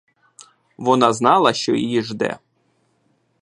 Вона знала, що її жде.